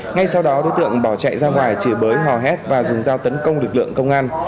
ngay sau đó đối tượng bỏ chạy ra ngoài chìa hò hét và dùng dao tấn công lực lượng công an